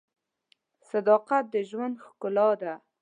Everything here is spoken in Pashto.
صداقت د ژوند ښکلا ده.